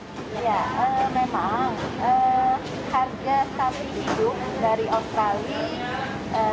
ya memang harga sapi hidup dari australia